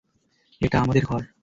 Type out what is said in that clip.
এটা আমাদের ঘর।